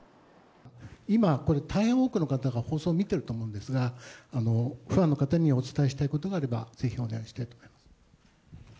今、これ、大変多くの方が放送見てると思うんですが、ファンの方にお伝えしたいことがあれば、ぜひお願いしたいと思います。